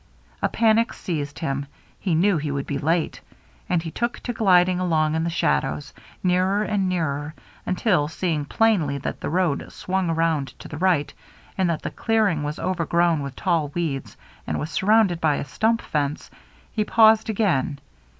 A panic seized him ; he knew he would be late ; and he took to gliding along in the shadows, nearer 3S8 THE MERRY ANNE and nearer^ until, seeing plainly that the road swung around to the right, and that the clear ing was overgrown with tall weeds and was surrounded by a stump fence, he paused again.